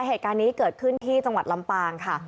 เหตุการณ์นี้เกิดขึ้นที่จังหวัดลำปางค่ะ